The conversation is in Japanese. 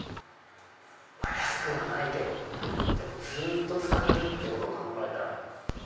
安くはないけどずっと使えるってこと考えたら。